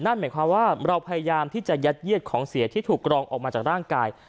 นั่นหมายความว่าเราพยายามที่จะยัดเยียดของเสียที่ถูกกรองออกมาจากร่างกาย